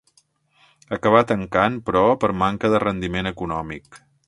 Acabà tancant, però, per manca de rendiment econòmic.